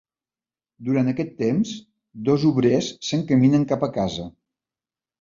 Durant aquest temps, dos obrers s'encaminen cap a casa.